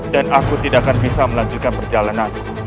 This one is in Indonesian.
dan aku tidak akan bisa melanjutkan perjalananku